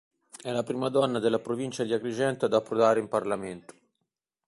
È la prima donna della provincia di Agrigento ad approdare in Parlamento.